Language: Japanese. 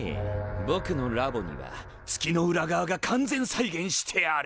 ぼくのラボには月の裏側が完全再現してある。